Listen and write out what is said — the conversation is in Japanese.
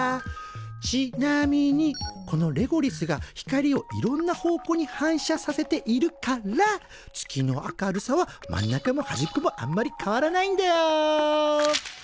ちなみにこのレゴリスが光をいろんな方向に反射させているから月の明るさは真ん中もはじっこもあんまり変わらないんだよ。